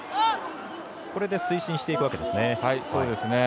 これで推進していくわけですね。